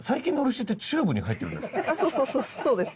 そうそうそうそうそうです。